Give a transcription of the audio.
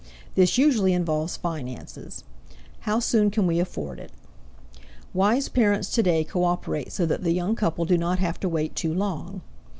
This usually involves finances "How soon can we afford it?" Wise parents today cooperate so that the young couple do not have to wait too long.